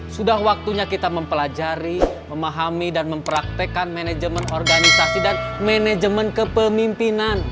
sudah waktunya kita mempelajari memahami dan mempraktekan manajemen organisasi dan manajemen kepemimpinan